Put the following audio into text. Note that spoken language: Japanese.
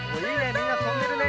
みんなとんでるね。